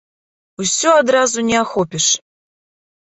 Усё адразу не ахопіш.